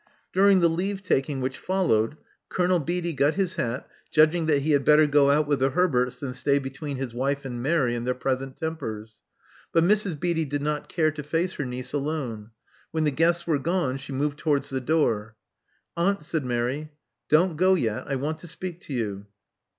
During the leave taking which followed. Colonel Love Among the Artists 115 Beatty got his hat, judging that he had better go out with the Herberts than stay between his wife and Mary in their present tempers. But Mrs. Beatty did not care to face her niece alone. When the guests were gone, she moved towards the door. Aunt, said Mary, don't go yet I want to speak to you.'